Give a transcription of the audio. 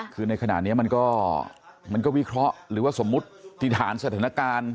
คือในขณะนี้มันก็วิเคราะห์หรือว่าสมมุติธิษฐานสถานการณ์